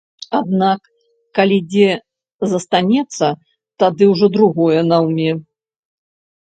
Адзін калі дзе застанецца, тады ўжо другое наўме.